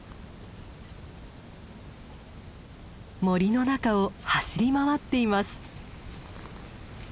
森の中を走り回っています。